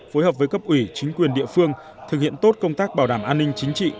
phối hợp với cấp ủy chính quyền địa phương thực hiện tốt công tác bảo đảm an ninh chính trị